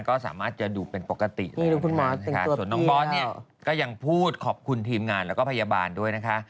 ก็สามารถจะดูเป็นปกติเลยส่วนน้องบอสเนี่ยก็ยังพูดขอบคุณทีมงานแล้วก็พยาบาลด้วยนะคะ